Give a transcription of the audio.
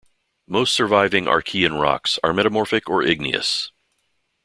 Most surviving Archean rocks are metamorphic or igneous.